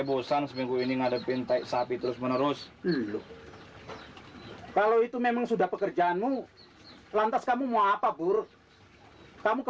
hai hari ini saya enggak kerja mbak